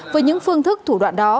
với những phương thức thủ đoạn đó